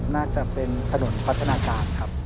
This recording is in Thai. น่าจะเป็นถนนพัฒนาการครับ